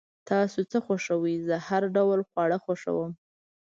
تاسو څه خوښوئ؟ زه هر ډوله خواړه خوښوم